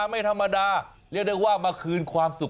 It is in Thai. ไม่ธรรมดาเรียกได้ว่ามาคืนความสุข